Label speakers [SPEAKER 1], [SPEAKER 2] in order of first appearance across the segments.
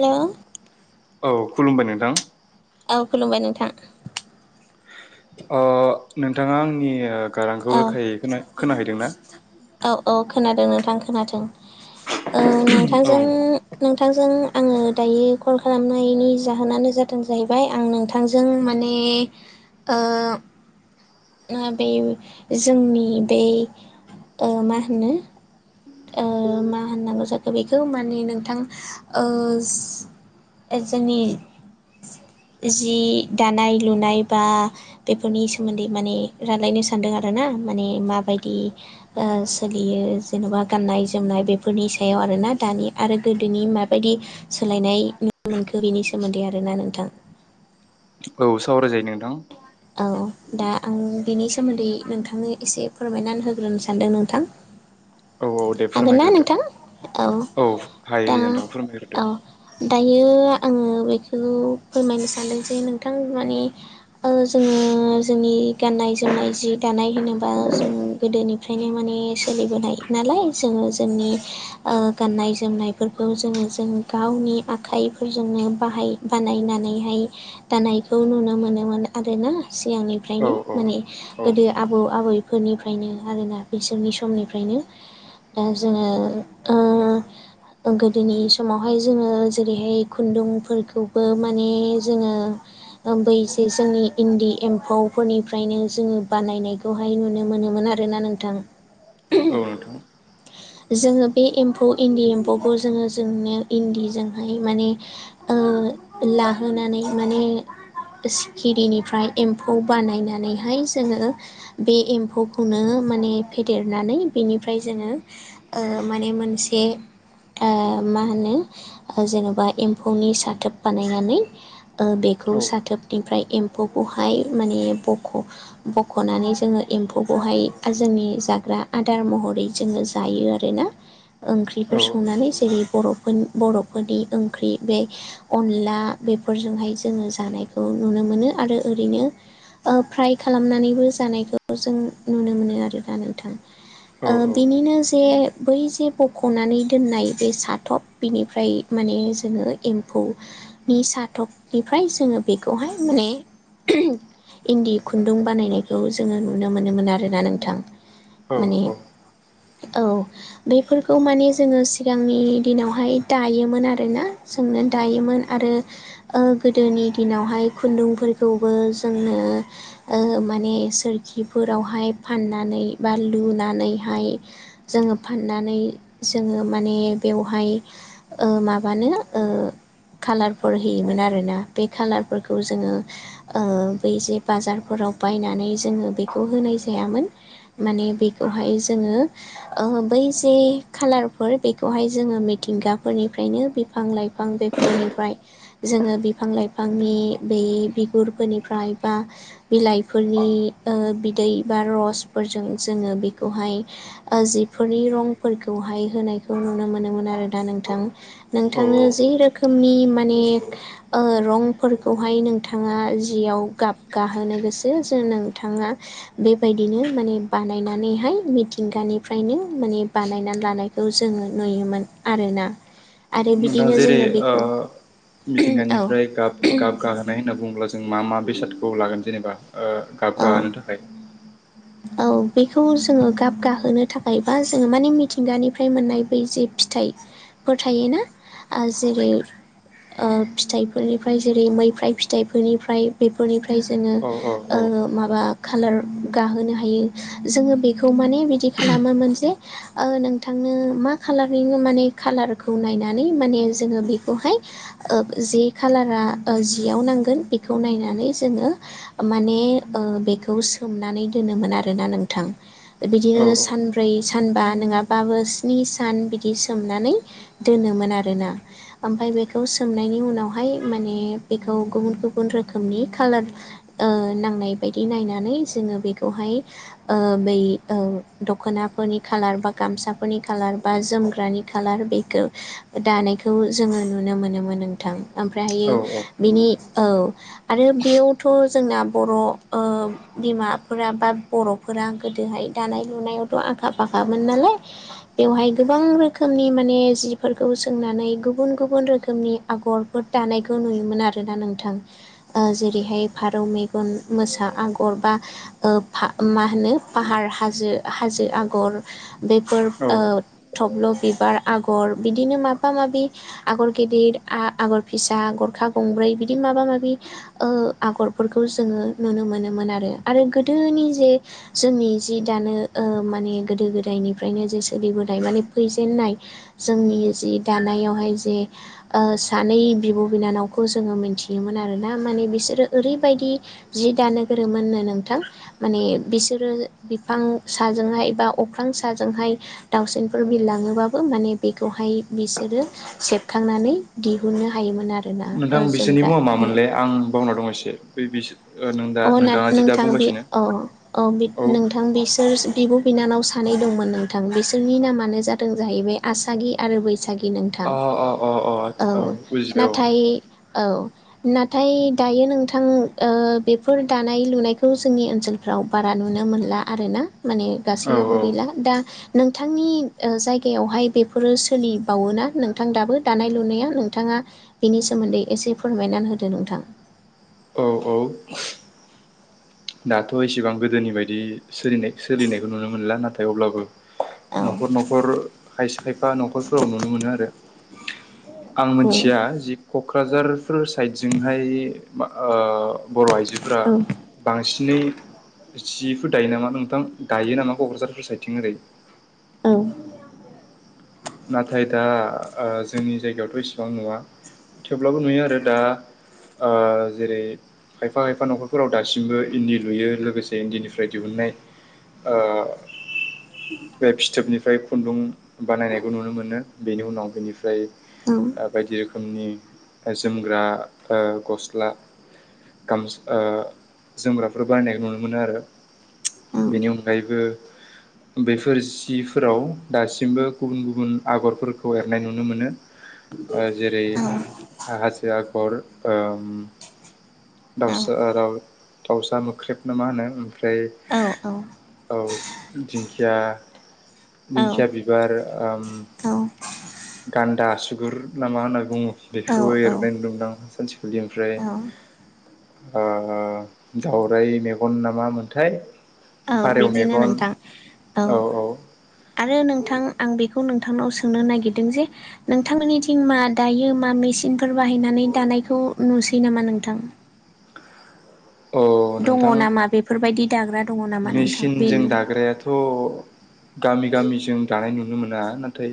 [SPEAKER 1] Hello
[SPEAKER 2] औ खुलुमबाय नोंथां
[SPEAKER 1] औ खुलुमबाय नोंथां
[SPEAKER 2] अ नोंथाङा आंनि गारांखौ
[SPEAKER 1] औ
[SPEAKER 2] रोखाय खोना-खोनाहैदोंना?
[SPEAKER 1] औ औ खोनादों नोंथां खोनाथों ओ
[SPEAKER 2] औ
[SPEAKER 1] नोंथांजों नोंथांजों आङो दायो कल खालामनायनि जाहोनानो जादों जाहैबाय आं नों थांजों माने ओ आ बे जोंनि बे ओ मा होनो ओ मा होननांगौ जाखो बेखौ माने नोंथां ओ ओ जोंनि जि दानाय लुनाय बा बेफोरनि सोमोन्दै माने रायलायनो सानदों आरोना माने माबायदि ओ सोलियो जेन'बा गाननाय जोमनाय बेफोरनि सायाव आरोना दानि आरो गोदोनि माबायदि सोलायनाय मोनखो बिनि सोमोन्दै आरोना नोंथां
[SPEAKER 2] औ सावरायजायो नोंथां
[SPEAKER 1] औ दा आं बेनि सोमोन्दै नोंथांनो एसे फोरमायनानै होग्रोनो सानदों नोंथां
[SPEAKER 2] औ औ दे
[SPEAKER 1] हागोन ना
[SPEAKER 2] फोरमायग्रोदो
[SPEAKER 1] नोंथां औ
[SPEAKER 2] हायो
[SPEAKER 1] दा
[SPEAKER 2] नोंथां फोरमायग्रोदो
[SPEAKER 1] अ दायो आङो बेखौ फोरमायनो सानदों जे नोंथां माने ओ जोङो जोंनि गाननाय जोमनाय जि दानाय होनोब्ला जों गोदोनिफ्रायनो माने सोलिबोनाय नालाय जोङो जोंनि ओ गाननाय जोमनाय फोरखौ जोङो जों गावनि आखाइफोरजोंनो बाहाय बानायनानैहाय दानायखौ नुनो मोनोमोन आरोना
[SPEAKER 2] औ
[SPEAKER 1] सिगांनिफ्रायनो
[SPEAKER 2] औ
[SPEAKER 1] माने
[SPEAKER 2] औ
[SPEAKER 1] गोदो आबौ आबैफोरनिफ्रायनो आरोना बिसोरनि समनिफ्रायनो दा जोङो ओ गोदोनि समावहाय जोङो जेरैहाय खुन्दुंफोरखौबो माने जोङो ओ बैजेस जोंनि इन्दि एम्फौफोरनिफ्रायनो जोङो बानायनायखौहाय नुनो मोनोमोन आरोना नोंथां
[SPEAKER 2] औ नोंथां
[SPEAKER 1] जोङो बे एम्फौ इन्दि एम्फौखौ जोङो जोंनो इन्दिजोंहाय माने ओ लाहोनानै माने सि खिरिनिफ्राय एम्फौ बानायनानैहाय जोङो बे एम्फौखौनो माने फेदेरनानै बेनिफ्राय जोङो ओ माने मोनसे आ मा होनो जेन'बा एम्फौनि साथोब बानायनानै ओ बेखौ
[SPEAKER 2] औ
[SPEAKER 1] साथोबनिफ्राय एम्फौखौहाय माने बख' बख'नानै जोङो एम्फौखौहाय जोंनि जाग्रा आदार महरै जोङो जायो आरोना
[SPEAKER 2] औ
[SPEAKER 1] ओंख्रिफोर संनानै जेरै बर' मोन बर'फोरनि ओंख्रि बे अनला बेफोरजोंहाय जोङो जानायखौ नुनो मोनो आरो ओरैनो ओ फ्राय खालामनानैबो जानायखौ जों नुनो मोनो आरो ना नोंथां ओ
[SPEAKER 2] औ
[SPEAKER 1] बिनिनो जे बै जे बख'नानै दोननाय बे साथब बिनिफ्राय माने जोङो एम्फौ निसाथकनिफ्राय जोङो बेखौहाय माने ह्रम इन्दि खुन्दुं बानायनायखौ जोङो नुनो मोनोमोन आरोना नोंथां।
[SPEAKER 2] औ
[SPEAKER 1] माने
[SPEAKER 2] औ
[SPEAKER 1] औ औ बेफोरखौ माने जोङो सिगांनि दिनावहाय दायोमोन आरोना? सोंनानै दायोमोन आरो ओ गोदोनि दिनावहाय खुन्दुंफोरखौबो जोङो ओ माने सोरखिफोरावहाय फाननानै बा लुनानैहाय जोङो फाननानै जोङो माने बेवहाय ओ माबानो ओ कालारफोर होयोमोन आरोना बे खालारफोरखो खौ जोङो ओ बै जे बाजारफोराव बायनानै जोङो बेखौ होनाय जायामोन। माने बेखौहाय जोङो औ बै जे खालारफोर बेखौहाय जोङो मिथिंगाफोरनिफ्रायनो बिफां लाइफां बे फोरनिफ्राय जोङो बिफां लाइफांनि बे बिगुरफोरनिफ्राय बा बिलाइफोरनि ओ बिदै बा रसफोरजों जोङो बेखौहाय ओ जिफोरनि रंफोरखौहाय होनायखौ नुनो मोनोमोन आरो ना नोंथां?
[SPEAKER 2] औ
[SPEAKER 1] नोंथांनो
[SPEAKER 2] औ
[SPEAKER 1] जि रोखोमनि माने ओ रंफोर खौहाय नोंथाङा जियाव गाबगाहोनो गोसो जों नोंथाङा बेबायदिनो माने बानायनानैहाय मिथिंगानिफ्रायनो माने बानायनानै लानाय खौ जोङो नुयोमोन आरोना? आरो बिदिनो
[SPEAKER 2] नोंथाङा जेरै
[SPEAKER 1] जोङो बेखौ
[SPEAKER 2] ओ
[SPEAKER 1] औ
[SPEAKER 2] मिथिंगानिफ्राय गाब गाबगाहोनाय होनना बुङोब्ला जों मा मा बेसादखौ लागोन जेनेबा ओ गाबगाहोनो थाखाय
[SPEAKER 1] औ औ बेखौ जोङो गाब गाहोनो थाखाय बा जोङो माने मिथिंगानिफ्राय मोननाय बै जे फिथाइ फोर थायोना ओ जेरै ओ फिथाइफोरनिफ्राय जेरै मैफ्राइ फिथाइफोरनिफ्राय बेफोरनिफ्राय जोङो
[SPEAKER 2] औ औ औ
[SPEAKER 1] ओं ओ माबा खालार गाहोनो हायो जोङो बेखौ माने बिदि खालामोमोन जे ओ नोंथांनो मा खालारैनो माने खाालारखौ नायनानै माने जोङो बेखौहाय ओ जे कालारा ओ जियाव नांगोन बेखौ नायनानै जोङो माने ओ बेखौ सोमनानै दोनोमोन आरोना नोंथां। बिदिनो
[SPEAKER 2] औ
[SPEAKER 1] सानब्रै सानबा नङाबाबो स्नि सान बिदि सोमनानै दोनोमोन आरो ना? ओमफ्राय बेखौ सोमनायनि उनावहाय माने बेखौ गुबुन गुबुन रोखोमनि खाालार ओ नांनाय बायदि नायनानै जोङो बेखौहाय ओ बै ओ दख'नाफोरनि खालार बा गामसाफोरनि खालार बा जोमग्रानि खालार बेखौ दानायखौ जोङो नुनो मोनोमोन नोंथां ओमफ्रायहायो
[SPEAKER 2] औ औ
[SPEAKER 1] बिनि औ आरो बेयावथ' जोंना बर' ओ बिमाफोरा बा बर'फोरा गोदोहाय दानाय लुनायावथ' आखा फाखामोन नालाय बेवहाय गोबां रोखोमनि माने जिफोरखौ सोंनानै गुबुन गुबुन रोखोमनि आगर फोर दानायखौ नुयोमोन आरोना नोंथां ओ जेरैहाय फारौ मेगन मोसा आग गर बा ओ फा मा होनो पाहार हाजो हाजो आगर। बेफोर
[SPEAKER 2] औ
[SPEAKER 1] ओ थब्ल' बिबार आगर बिदिनो माबा माबि आगर गिदिर आ-आगर फिसा गरखा गंब्रै बिदि माबा माबि ओ आगरफोरखौ जोङो नुनो मोनोमोन आरो आरो गोदोनि जे जोंनि जि दानो ओ माने गोदो गोदायनिफ्रायनो जे सोलिबोनाय माने फैजेननाय जोंनि जि दानायावहाय जे ओ सानै बिब' बिनानावखौ जोङो मिथियो मोन्थियोमोन आरोना माने बिसोरो ओरैबायदि जि दानो गोरोंमोन नो नोंथां। माने बिसोरो बिफां साजोंहाय बा अख्रां साजोंहाय दाउसेनफोर बिरलाङोबाबो माने बेखौहाय बिसोरो सेबखांनानै दिहुननो हायोमोन आरो।
[SPEAKER 2] नोंथां बिसोरनि मुङा मोनलै आं बावना दं एसे बे बिसोर
[SPEAKER 1] अ नां नोंथां बे अ औव
[SPEAKER 2] औ
[SPEAKER 1] नोंथां बिसोर बिब' बिनानाव सानै दंमोन नोंथां बिसोरनि नामानो जादों जाहैबाय आसागि आरो बैसागि नोंथां।
[SPEAKER 2] अ अ अ औ
[SPEAKER 1] औव
[SPEAKER 2] बुजिबाय औ
[SPEAKER 1] नाथाय औव नाथाय दायो नोंथां ओ बे फोर दानाय लुनायखौ जोंनि ओनसोलफ्राव बारा नुनो मोनला आरो ना माने
[SPEAKER 2] औ
[SPEAKER 1] गासैयावबो गैला दा नोंथांनि ओ जायगायावहाय बेफोरो सोलिबावोना नोंथां दाबो दानाय लुनाया नोंथांङा बिनि सोमोन्दै एसे फोरमायना होदो नोंथां।
[SPEAKER 2] औ औ दाथ' एसेबां गोदोनि बायदि सोलिनाय सोलिनायखौ नुनो मोनला नाथाय अब्लाबो
[SPEAKER 1] औ
[SPEAKER 2] न'खर न'खर खायसे खायफा न'खरफोराव नुनो मोनो आरो। आं
[SPEAKER 1] औ
[SPEAKER 2] मोन्थिया जि क'क्राझारफोर साइडजोंहाय मा ओ बर' आइजो फोरा बांसिनै जिफोर दायो नामा नोंथां दायो नामा क'क्राझारफोर साइडथिं ओरै?
[SPEAKER 1] औ
[SPEAKER 2] नाथाय दा ओ जोंनि जायगायावथ' इसेबां नुवा थेवब्लाबो नुयो आरो दा ओ जेरै खायफा खायफा न'खरफोराव दासिमबो इन्दि लुयो लोगोसे इन्दिनिफ्राय दिहुननाय ओ बे फिथोबनिफ्राय खुन्दुं बानायनायखौ नुनो मोनो बेनि उनाव बेनिफ्राय
[SPEAKER 1] औ
[SPEAKER 2] ओ बायदि रोखोमनि जोमग्रा ओ गस्ला गामस ओ जोमग्राफोर बायनायखौ नुनो मोनो आरो
[SPEAKER 1] औ
[SPEAKER 2] बेनि अनगायैबो बेफोर सिफोराव दासिमबो गुबुन गुबुन आगरफोरखौ एरनाय नुनो मोनो।
[SPEAKER 1] [unintelligible]
[SPEAKER 2] ओ जेरै हाजो आगर ओम
[SPEAKER 1] औ
[SPEAKER 2] दाउसा ओ दाव दाउसा मोख्रेब ना मा होनो ओमफ्राय
[SPEAKER 1] औ औ
[SPEAKER 2] औ दिंखिया
[SPEAKER 1] औ
[SPEAKER 2] दिंखिया बिबार आम गान्दा आसुगुर ना मा होनना बुंङो
[SPEAKER 1] औ
[SPEAKER 2] बेखौबो एरनाय नुनो मोनदोंमोन आं सानसेखालि ओमफ्राय
[SPEAKER 1] औ
[SPEAKER 2] आ आ दाउराइ मेगन नामा मोनथाय
[SPEAKER 1] औ
[SPEAKER 2] फारौ
[SPEAKER 1] बिदिनो
[SPEAKER 2] मेगन
[SPEAKER 1] नोंथां
[SPEAKER 2] औ औ
[SPEAKER 1] आरो नोंथां आं बेखौ नोंथांनाव सोंनो नागिरदों जे नोंथांमोननिथिं मा दायो मा मेचिनफोर बाहायनानै दानायखौ नुसै नामा नोंथां।
[SPEAKER 2] औ
[SPEAKER 1] दङ
[SPEAKER 2] नोंथां
[SPEAKER 1] नामा बेफोरबायदि दाग्रा दङ नामा नोंथां बेनि।
[SPEAKER 2] अ गामि गामि जों दानाय नुनो मोना नाथाय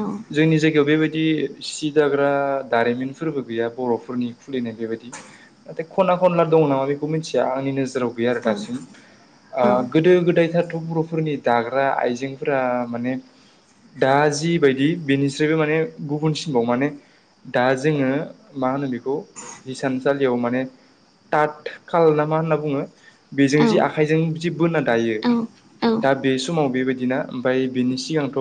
[SPEAKER 1] औ
[SPEAKER 2] जोंनि जायगायाव बेबायदि सिदाग्रा दारिमिनफोरबो गैया बर'फोरनि खुलिनाय बेबायदि नाथाय खना खनला दङ नामा बेखौ मिथिया आंनि नोजोराव गैया आरो
[SPEAKER 1] औ
[SPEAKER 2] दासिम आ
[SPEAKER 1] औ
[SPEAKER 2] गोदो गोदाय थ' बर'फोरनि दाग्रा आइजेंफोरा माने दा जिबायदि बेनिस्रायबो माने गुबुनसिनबाव माने दा जोङो मा होनो बेखौ हिसानसालियाव माने टाथ काल ना मा होनना बुङो बेजों
[SPEAKER 1] औ
[SPEAKER 2] जि आखाइजों जि बोना दायो
[SPEAKER 1] औ औ
[SPEAKER 2] दा बे समाव बे बायदिना ओमफ्राय बिनि सिगांथ'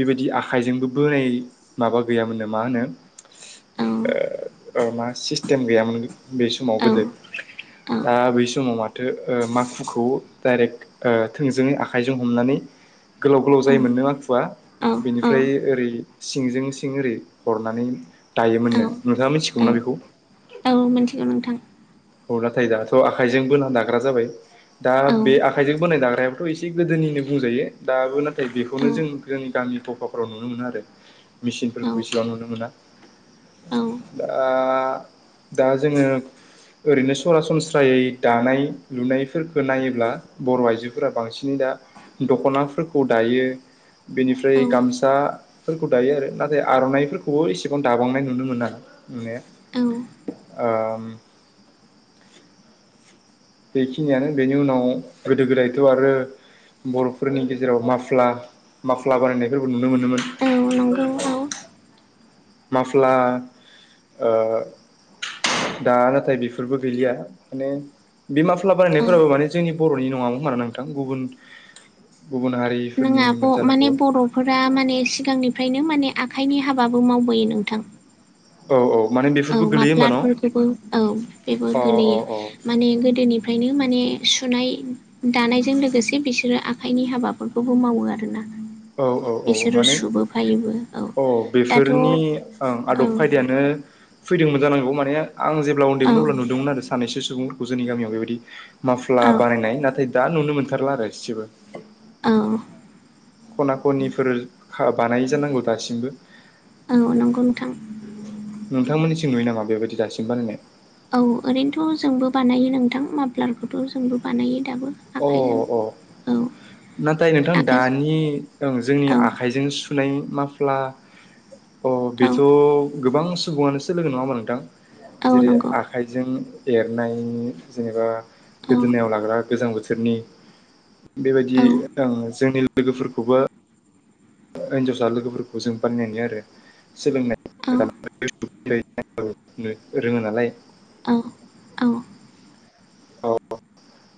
[SPEAKER 2] बेबायदि आखाइजोंबो बोनाय माबा गैयामोननो मा होनो मा सिस्टेम गैयामोन बे समाव
[SPEAKER 1] औ
[SPEAKER 2] गोदो। दा बै समाव माथो ओ मा हुखौ डाइरेक्ट ओ थोंजोङै आखाइजों हमनानै गोलाव गोलाव जायोमोन नो माखुआ।
[SPEAKER 1] औ
[SPEAKER 2] बेनिफ्राय ओरै सिंजों सिं ओरै हरनानै
[SPEAKER 1] औ
[SPEAKER 2] दायोमोननो नोंथाङा मिथिगौ
[SPEAKER 1] औ
[SPEAKER 2] ना बेखौ?
[SPEAKER 1] औ मिथिगौ नोंथां।
[SPEAKER 2] औ नाथाय दाथ' आखाइजों बोना दाग्रा जाबाय। दा
[SPEAKER 1] औ
[SPEAKER 2] बे आखाइजों बोनाय दाग्रायाबोथ' इसे गोदोनिनो बुंजायो दाबो नाथाय बेखौनो
[SPEAKER 1] औ
[SPEAKER 2] जों जोंनि गामि गफाफोराव नुनो मोनो आरो
[SPEAKER 1] औ
[SPEAKER 2] मेसिनफोरखौ एसेबां नुनो मोना।
[SPEAKER 1] औ
[SPEAKER 2] दा दा जोङो ओरैनो सरासनस्रायै दानाय लुनायफोरखौ नायोब्ला बर' आइजोफोरा बांसिनै दा दख'नाफोरखौ दायो।
[SPEAKER 1] औ
[SPEAKER 2] बेनिफ्राय गामसाफोरखौ दायो आरो नाथाय आर'नाइफोरखौबो एसेबां दाबांनाय नुनो मोना। मे
[SPEAKER 1] औ
[SPEAKER 2] ओ बेखिनियानो बेनि उनाव गोदो गोदायथ' आरो बर'फोरनि गेजेराव माफ्ला माफ्ला बानायनायफोरबो नुनो
[SPEAKER 1] औ नंगौ औ
[SPEAKER 2] मोनोमोन। माफ्ला ओ दा नाथाय बेफोरबो गैलिया माने बे माफ्ला
[SPEAKER 1] औ
[SPEAKER 2] बानायनायफोराबो माने जोंनि बर'नि नङामोन खोमा ना नोंथां गुबुन गुबुन हारि
[SPEAKER 1] नों आब माने बर' फोरा माने सिगांनिफ्रायनो माने आखाइनि हाबाबो मावबोयो नोंथां
[SPEAKER 2] औ औ माने बे
[SPEAKER 1] औ माफ्लारफोरखौबो औ बेबो
[SPEAKER 2] अ अ
[SPEAKER 1] गोलैयो
[SPEAKER 2] अ
[SPEAKER 1] माने गोदोनिफ्रायनो माने सुनाय दानायजों लोगोसे बिसोरो आखाइनि हाबाफोरखौबो मावो आरोना।
[SPEAKER 2] औ औ औ
[SPEAKER 1] बिसोरो
[SPEAKER 2] माने
[SPEAKER 1] सुबोफायोबो
[SPEAKER 2] औ
[SPEAKER 1] दाथ' औ
[SPEAKER 2] बेफोरनि ओं
[SPEAKER 1] औ
[SPEAKER 2] आदब खायदायानो। फैदोंमोन जानांगौ माने आं जेब्ला उन्दैमोन अब्ला नुदोंमोन आरो सानैसो सुबुंफोरखौ जोंनि गामियाव बेबादि माफ्ला
[SPEAKER 1] औ
[SPEAKER 2] बानायनाय नाथाय दा नुनो मोनथारला आरो इसेबो
[SPEAKER 1] औ
[SPEAKER 2] खना खनिफोर [unintelligible] बानायो जानांगौ दासिमबो
[SPEAKER 1] औ नंगौ नोंथां।
[SPEAKER 2] नोंथांमोननिथिं नुयो नामा बेबायदि दासिम बानायनाय?
[SPEAKER 1] औ ओरैनोथ' जोंबो बानायो नोंथां माफ्लारखौथ' जोंबो बानायो दाबो।
[SPEAKER 2] अ
[SPEAKER 1] आखाइजों
[SPEAKER 2] अ
[SPEAKER 1] औ
[SPEAKER 2] नाथाय नोंथां
[SPEAKER 1] आखाइ
[SPEAKER 2] दानि जों जोंनि
[SPEAKER 1] औ
[SPEAKER 2] आखाइजों सुनाय माफ्ला अ
[SPEAKER 1] औ
[SPEAKER 2] बेथ' गोबां सुबुङानो सोलोङो नङा होमबा नोंथां?
[SPEAKER 1] औ
[SPEAKER 2] जेरै
[SPEAKER 1] नंगौ
[SPEAKER 2] आखाइजों एरनाय जेनेबा
[SPEAKER 1] औ
[SPEAKER 2] गोदोनायाव लाग्रा गोजां बोथोरनि बेबायदि
[SPEAKER 1] औ
[SPEAKER 2] [unintelligible] जोंनि लोगोफोरखौबो हिनजावसा लोगोफोरखौ जों बानायनाय नुयो आरो।
[SPEAKER 1] औ
[SPEAKER 2] सोलोंनाय [unintelligible] रोङो नालाय।
[SPEAKER 1] औ औ
[SPEAKER 2] औ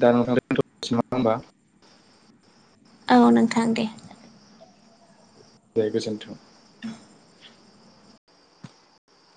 [SPEAKER 2] दा नोंथां दोनथ'सै ना होमबा।
[SPEAKER 1] औ नोंथां दे।
[SPEAKER 2] दे गोनथों।